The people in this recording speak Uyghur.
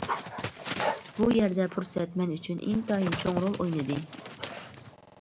بۇ يەردە پۇرسەت مەن ئۈچۈن ئىنتايىن چوڭ رول ئوينىدى.